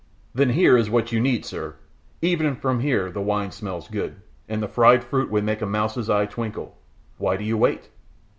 "Then here is what you need, sir, even from here the wine smells good, and the fried fruit would make a mouse's eye twinkle. Why do you wait?"